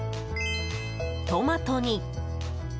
トマトに。